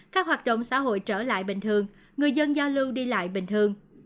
các hoạt động xã hội trở lại bình thường người dân giao lưu đi lại bình thường